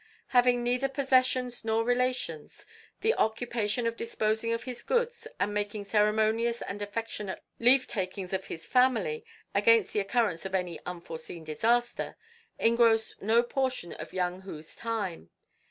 Having neither possessions nor relations, the occupation of disposing of his goods and making ceremonious and affectionate leavetakings of his family, against the occurrence of any unforeseen disaster, engrossed no portion of Yang Hu's time.